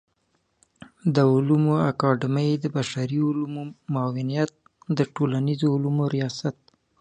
د علومو اکاډمۍ د بشري علومو معاونيت د ټولنيزو علومو ریاست